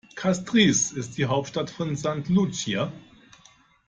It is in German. Castries ist die Hauptstadt von St. Lucia.